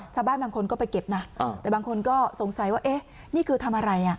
ชาวบ้านที่ก็ไปเก็บแต่บางคนก็สงสัยว่านี่กินอะไร